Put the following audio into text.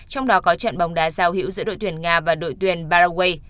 trong đó có trận bóng đá giao hữu giữa đội tuyển nga và đội tuyển baraguay